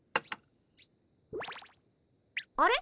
あれ？